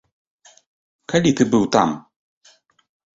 Калі ты быў там?